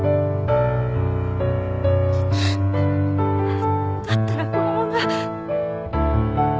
だったらこのまま。